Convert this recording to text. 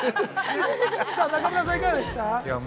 中村さんはいかがでしたか。